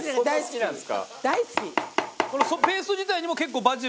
大好き！